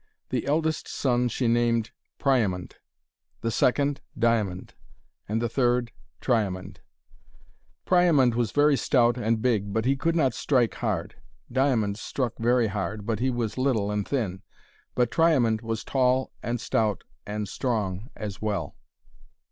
The eldest son she named Priamond, the second Diamond, and the third Triamond. Priamond was very stout and big, but he could not strike hard. Diamond struck very hard, but he was little and thin. But Triamond was tall and stout and strong as well.